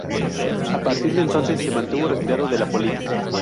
A partir de entonces se mantuvo retirado de la política.